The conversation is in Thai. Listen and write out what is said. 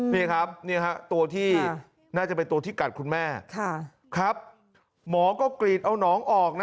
นี่ครับตัวที่น่าจะเป็นตัวที่กัดคุณแม่ครับหมอก็กรีดเอาน้องออกนะ